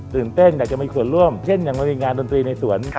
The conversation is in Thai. ตื่นเต้นอยากจะมีส่วนร่วมเช่นอย่างเรามีงานดนตรีในสวน